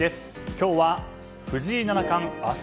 今日は、藤井七冠明日